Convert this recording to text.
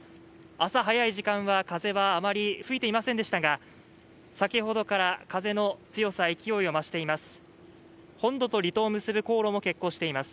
朝早い時間は風はあまり吹いていませんでしたが先ほどから風の強さ、勢いが増しています。